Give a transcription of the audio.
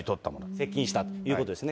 接近したということですね。